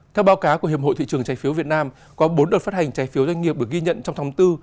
theo báo cá của hiệp hội thị trường trái phiếu việt nam có bốn đợt phát hành trái phiếu doanh nghiệp được ghi nhận trong thông tư